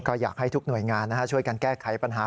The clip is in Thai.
ก็อยากให้ทุกหน่วยงานช่วยกันแก้ไขปัญหา